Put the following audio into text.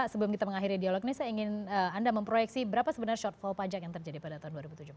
sebelum kita mengakhiri dialog ini saya ingin anda memproyeksi berapa sebenarnya shortfall pajak yang terjadi pada tahun dua ribu tujuh belas